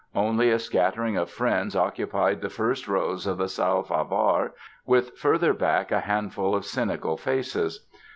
Only a scattering of friends occupied the first rows of the Salle Favart, with further back a handful of cynical faces.